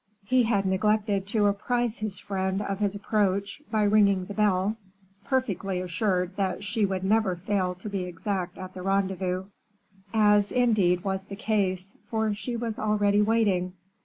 He had neglected to apprise his friend of his approach, by ringing the bell, perfectly assured that she would never fail to be exact at the rendezvous; as, indeed, was the case, for she was already waiting.